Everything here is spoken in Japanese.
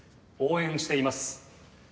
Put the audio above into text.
応援しています。